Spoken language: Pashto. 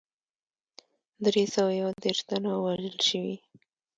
دری سوه یو دېرش تنه وژل شوي.